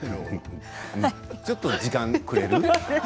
ちょっと時間くれる？